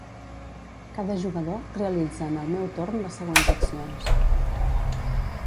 Cada jugador realitza en el meu torn les següents accions.